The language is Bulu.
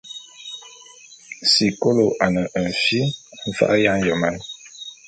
Sikolo ane fi mfa’a ya nyeman.